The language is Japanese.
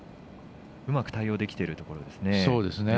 うまく対応できているところです。